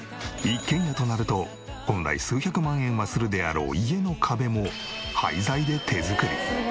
一軒家となると本来数百万円はするであろう家の壁も廃材で手作り。